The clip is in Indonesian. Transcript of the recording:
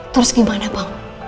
terus gimana bang